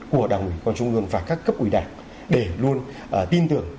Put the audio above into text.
của đồng chí con trung ương và các cấp ủy đảng để luôn tin tưởng